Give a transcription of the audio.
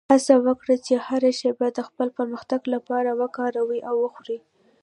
هڅه وکړه چې هره شېبه د خپل پرمختګ لپاره وکاروې او وخورې.